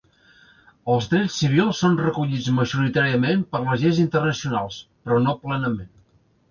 Els drets civils són recollits majoritàriament per les lleis internacionals, però no plenament.